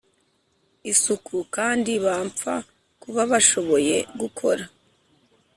isuku kandi bamfa kuba bashoboye gukora